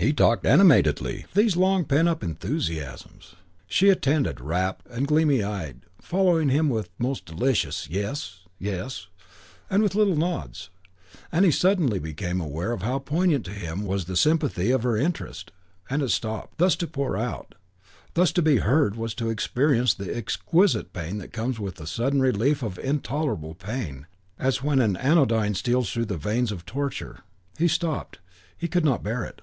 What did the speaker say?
VI He talked animatedly, these long pent up enthusiasms. She attended, rapt and gleaming eyed, following him with most delicious "Yes yes" and with little nods; and he suddenly became aware of how poignant to him was the sympathy of her interest, and stopped. Thus to pour out, thus to be heard, was to experience the exquisite pain that comes with sudden relief of intolerable pain, as when an anodyne steals through the veins of torture. He stopped. He could not bear it.